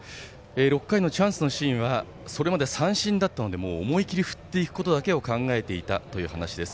６回のチャンスのシーンはそれまで三振だったので思い切り振っていくことだけを考えていたという話です。